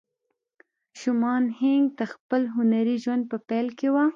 شومان هينک د خپل هنري ژوند په پيل کې وه.